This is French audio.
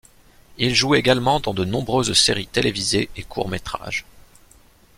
Il joue également dans de nombreuses séries télévisées et courts métrages.